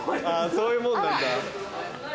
そういうもんなんだ。